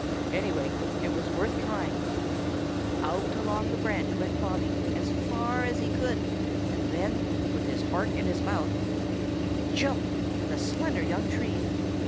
Anyway, it was worth trying. Out along the branch went Bobby as far as he could, and then, with his heart in his mouth, he jumped for the slender young tree.